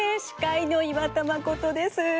しかいの岩田まこ都です。